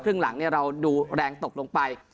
ครึ่งหลังเราดูแรงตกลงไป